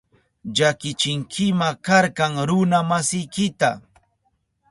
Llakichinkima karka runa masiykita.